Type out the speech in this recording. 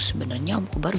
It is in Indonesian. sebenarnya om kobar bener